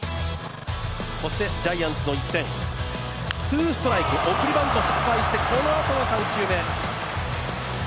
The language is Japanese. そしてジャイアンツの１点ツーストライク、送りバント失敗してこのあとの３球目。